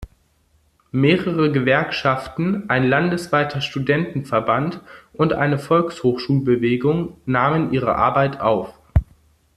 Mehrere Gewerkschaften, ein landesweiter Studentenverband und eine Volkshochschul-Bewegung nahmen ihre Arbeit auf.